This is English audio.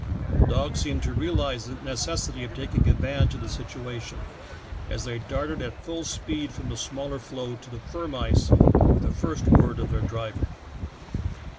The dogs seemed to realize the necessity of taking advantage of the situation, as they darted at full speed from the smaller floe to the firm ice with the first word of their driver.